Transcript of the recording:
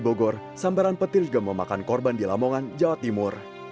di bogor sambaran petir juga memakan korban di lamongan jawa timur